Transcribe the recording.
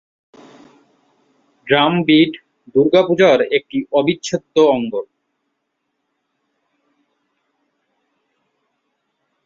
Drum beat দুর্গাপূজার একটি অবিচ্ছেদ্য অঙ্গ।